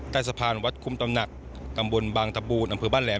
ใต้สะพานวัดคุมตำหนักตำบลบางตะบูนอำเภอบ้านแหลม